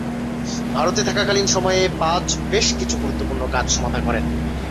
ভারতে থাকাকালীন সময়ে পাজ বেশ কিছু গুরুত্বপূর্ণ কাজ সমাধা করেন।